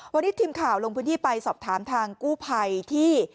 วันนี้ทีมข่าวลงพื้นที่ไปสอบถามทางกู้ภัยที่